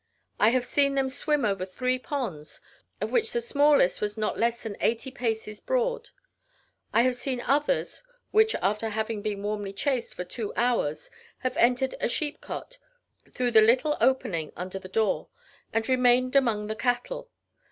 I have seen them swim over three ponds, of which the smallest was not less than eighty paces broad. I have seen others, which, after having been warmly chased for two hours, have entered a sheep cot, through the little opening under the door, and remained among the cattle.